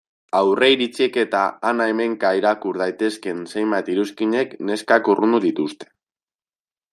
Aurreiritziek eta han-hemenka irakur daitezkeen zenbait iruzkinek neskak urrundu dituzte.